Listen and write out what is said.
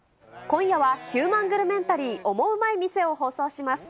今夜は、ヒューマングルメンタリーオモウマい店を放送します。